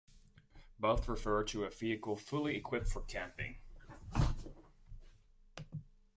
Both refer to a vehicle fully equipped for camping.